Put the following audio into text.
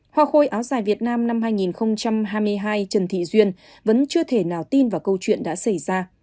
hoa khôi áo dài việt nam năm hai nghìn hai mươi hai trần thị duyên vẫn chưa thể nào tin vào câu chuyện đã xảy ra